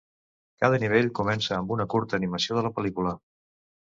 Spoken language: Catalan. Cada nivell comença amb una curta animació de la pel·lícula.